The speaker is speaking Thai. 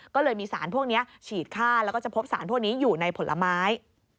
ก็เลยมีสารพวกนี้ฉีดค่าแล้วก็จะพบสารพวกนี้อยู่ในผลไม้